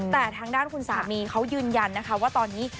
แต่ทางด้านคุณสามีเขายืนยันนะคะว่าตอนนี้